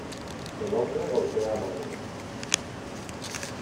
El hombre golpea a maria.